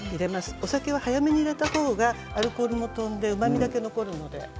お酒は早めに入れた方がアルコールも飛んでうまみだけ残るので。